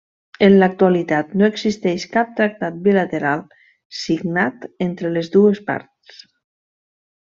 En l'actualitat no existeix cap tractat bilateral signat entre les dues parts.